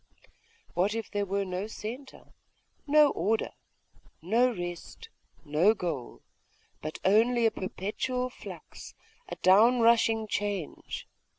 What if there were no centre, no order, no rest, no goal but only a perpetual flux, a down rushing change?